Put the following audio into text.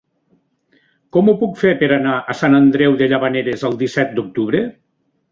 Com ho puc fer per anar a Sant Andreu de Llavaneres el disset d'octubre?